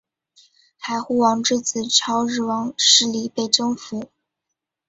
海护王之子超日王势力被征服。